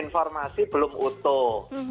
informasi belum utuh